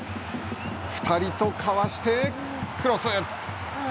２人とかわしてクロス。